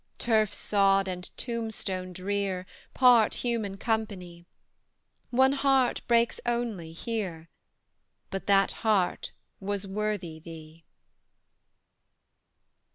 Turf sod and tombstone drear Part human company; One heart breaks only here, But that heart was worthy thee!